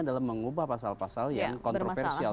adalah mengubah pasal pasal yang kontroversial